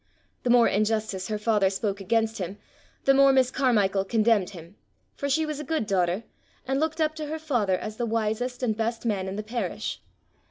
The more injustice her father spoke against him, the more Miss Carmichael condemned him; for she was a good daughter, and looked up to her father as the wisest and best man in the parish.